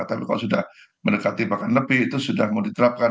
tapi kalau sudah mendekati bahkan lebih itu sudah mau diterapkan